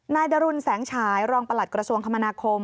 ดรุนแสงฉายรองประหลัดกระทรวงคมนาคม